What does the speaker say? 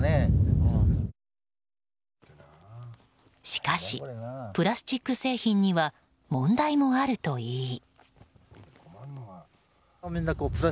しかし、プラスチック製品には問題もあるといい。